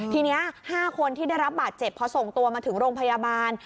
ทีนี้๕คนที่ได้รับบาดเจ็บพอส่งตัวมาถึงโรงพยาบาล